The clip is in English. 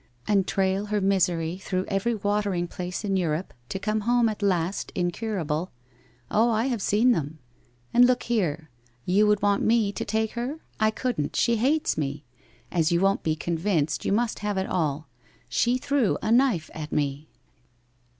' And trail her misery through every watering place in Europe, to come home at last incurable. Oh, I have seen them. And, look here, you would want me to take her ? I couldn't. She hates me. As you won't be convinced you must have it all. She threw a knife at me.'